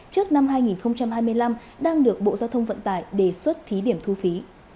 trước năm hai nghìn hai mươi năm đang được bộ giao thông vận tải đề xuất thí điểm thu phí